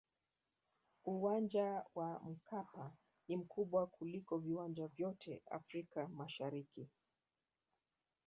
uwanja wa mkapa ni mkubwa kuliko viwanja vyote afrika mashariki